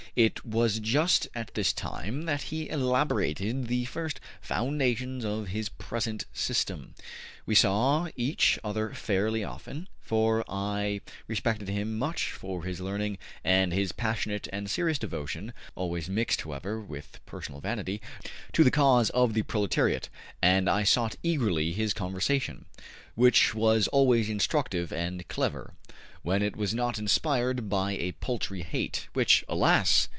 It was just at this time that he elaborated the first foundations of his present system. We saw each other fairly often, for I respected him much for his learning and his passionate and serious devotion (always mixed, however, with personal vanity) to the cause of the proletariat, and I sought eagerly his conversation, which was always instructive and clever, when it was not inspired by a paltry hate, which, alas!